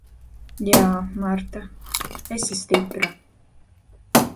Jā, Marta. Esi stipra.